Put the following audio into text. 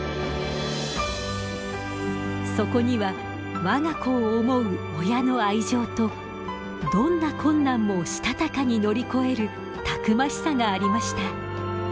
そこにはわが子を思う親の愛情とどんな困難もしたたかに乗り越えるたくましさがありました。